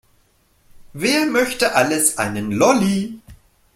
Wer möchte alles einen Lolli?